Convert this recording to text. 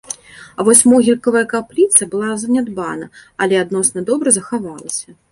А вось могілкавая капліца была занядбана, але адносна добра захавалася.